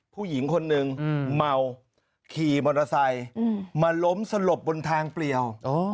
ผู้หญิงคนหนึ่งเมาขี่มอเตอร์ไซค์มาล้มสลบบนทางเปลี่ยว